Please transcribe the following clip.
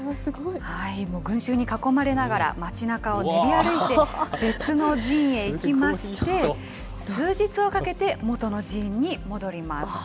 もう群衆に囲まれながら、街なかを練り歩いて、別の寺院へ行きまして、数日をかけて、元の寺院に戻ります。